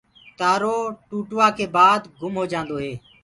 تآرو ٽوٚٽوآ ڪي بآد گُم هوجآندو هي۔